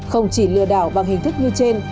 không chỉ lừa đảo bằng hình thức như trên